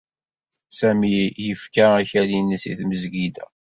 Sami yefka akal-nnes i tmesgida.